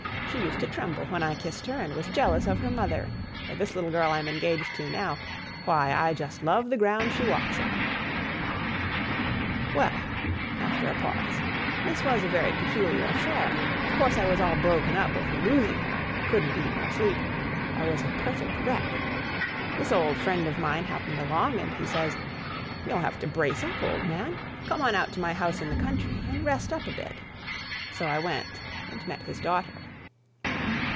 She used to tremble when I kissed her, and was jealous of her mother. But this little girl I'm engaged to now, why I just love the ground she walks on. [Sidenote: "A Very Peculiar Affair"] "Well," after a pause, "this was a very peculiar affair. Of course I was all broken up over losing her couldn't eat nor sleep I was a perfect wreck. This old friend of mine happened along, and he says, 'You'll have to brace up, old man. Come on out to my house in the country and rest up a bit.' So I went, and met his daughter.